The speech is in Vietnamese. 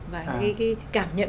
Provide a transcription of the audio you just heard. và cái cảm nhận